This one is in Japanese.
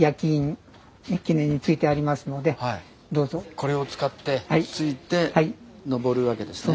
これを使ってついて登るわけですね。